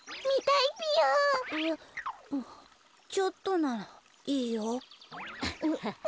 ちょっとならいいよ。